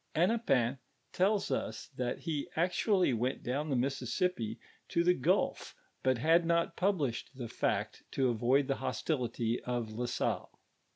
Hennepin tells us, timt he actually went down the Mississippi to the leidf, but liad not published tli' "f tonv«iirl the hostility of LnSalle.